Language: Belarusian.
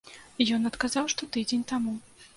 Ён адказаў, што тыдзень таму.